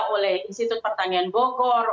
oleh institut pertanian bogor